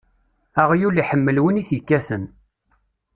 Aɣyul iḥemmel win i t-ikkaten.